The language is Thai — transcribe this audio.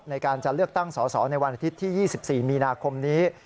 ในการจะเลือกตั้งสอสอในวันอาทิตย์ที่๒๔มีนาคมนี้